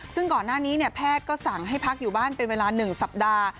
ซึ่งก่อนหน้านี้แพทย์ก็สั่งให้พักอยู่บ้านเป็นเวลา๑สัปดาห์